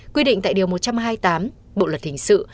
quy định tại điều một trăm hai mươi tám bộ luật hình sự